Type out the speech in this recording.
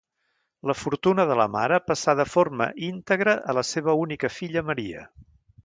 La fortuna de la mare passà de forma íntegra a la seva única filla Maria.